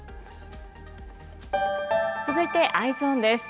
続いてＥｙｅｓｏｎです。